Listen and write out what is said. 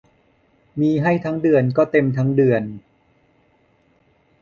มีให้ทั้งเดือนก็เต็มทั้งเดือน